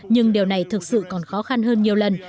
nhưng điều này thực sự còn khó khăn hơn nhiều lần